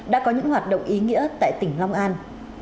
đã có những hoạt động ý nghĩa tại tỉnh long an